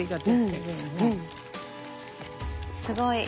すごい。